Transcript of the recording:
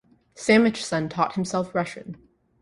Samachson taught himself Russian.